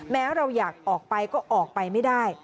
เราอยากออกไปก็ออกไปไม่ได้